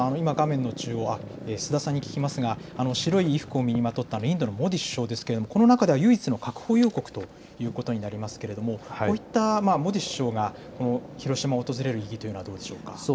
須田さんに聞きますが白い服を身にまとったインドのモディ首相ですがこの中では唯一の核保有国ということになりますが、こういったモディ首相が広島を訪れる意義というのはどうでしょうか。